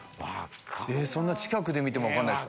そんな近くで見ても分かんないですか？